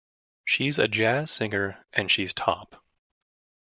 She's a jazz singer and she's top.